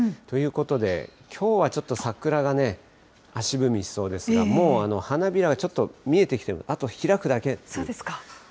ということで、きょうはちょっと桜がね、足踏みしそうですが、もう花びらはちょっと見えてきて、あと開くだけという。